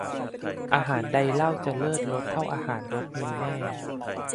อาหารใดเล่าจะเลิศรสเท่าอาหารรสมือแม่